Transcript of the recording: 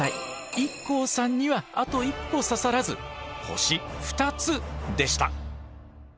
ＩＫＫＯさんにはあと一歩刺さらず星２つでした。